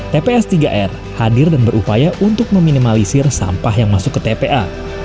tps tiga r hadir dan berupaya untuk meminimalisir sampah yang masuk ke tpa